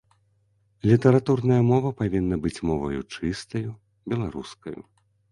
Літаратурная мова павінна быць моваю чыстаю, беларускаю.